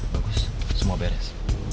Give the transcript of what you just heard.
bagus semua beres